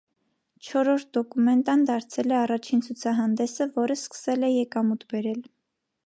Չորրորդ դոկումենտան դարձել է առաջին ցուցահանդեսը, որն սկսել է եկամուտ բերել։